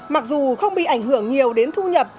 mặc dù không bị ảnh hưởng nhiều đến thu nhập